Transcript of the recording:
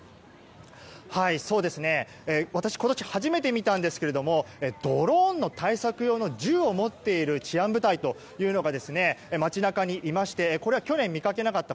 私、このパレードを初めて見たんですがドローンの対策用の銃を持っている治安部隊というのが街中にいまして去年、見かけなかった。